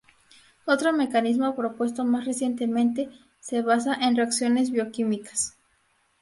Otro mecanismo propuesto más recientemente se basa en reacciones bioquímicas.